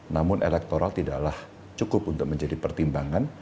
namun elektoral tidaklah cukup untuk menjadi pertimbangan